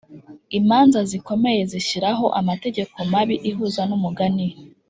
imanza zikomeye zishyiraho amategeko mabi ihuza numugani